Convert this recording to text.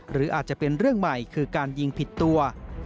หรืออาจจะเป็นเรื่องใหม่คือการยิงผิดตัว